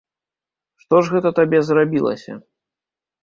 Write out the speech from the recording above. Што ж гэта табе зрабілася?